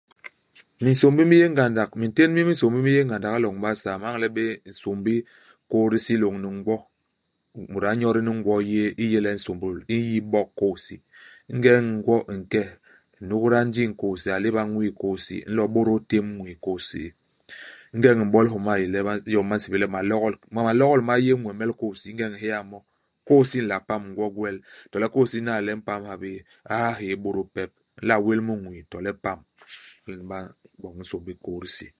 Minsômbi mi yé ngandak. Mintén mi minsômbi mi yé ngandak i loñ i Basaa. Me ñañle béé nsômbi u kôy-disi lôñni ngwo. Mut a nyodi ni ngwo yéé i yé le i nsômbôl, i n'yi bok kôy-hisi. Ingeñ ngwo i nke, i n'nôgda njiñ i kôy-hisi, a léba ñwii u kôy-hisi. U nlo u bôdôl tém iñwii u kôy-hisi u. Ingeñ u m'bol i homa a yé le iyom ba nsébél le malogol. Malogol ma yé ñwemel u kôy-hisi. Ingeñ u nhéta mo, kôy-hisi i nla pam, ngwo i gwel. To le kôy-hisi i n'nay le i mpam ha bé. U ha hyéé, u bôdôl pep. I nla wél mu i ñwii, to le i pam. Hala nyen ba m'boñ nsômbi u kôy-disi.